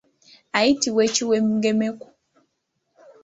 Ayitibwa ekiwengemeku.